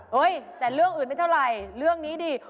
เฮ้ยแต่เรื่องอื่นไม่เท่าไหร่เรื่องนี้ดิ